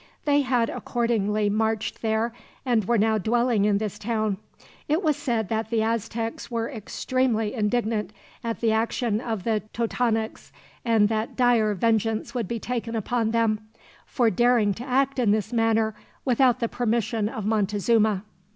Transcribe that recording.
They had accordingly marched there, and were now dwelling in this town. It was said that the Aztecs were extremely indignant at the action of the Totonacs, and that dire vengeance would be taken upon them, for daring to act in this manner without the permission of Montezuma.